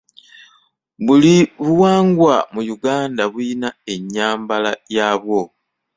Buli buwangwa mu Uganda buyina enyambala yabwo.